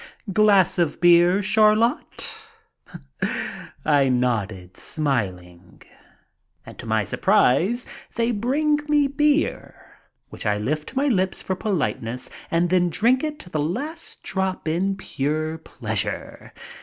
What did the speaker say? "Glass of beer. Chariot?" I nod, smiling. And to my surprise they bring me beer, which I lift to my lips for politeness, and then drink it to the last drop in pure pleasure.